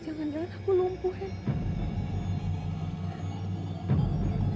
jangan jangan aku lumpuh ya